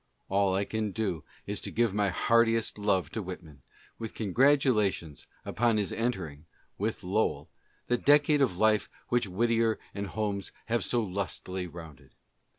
All I can do is to give my heartiest love to Whitman, with congratulations upon his entering, with Lowell, the decade of life which Whittier and Holmes have so lustily rounded.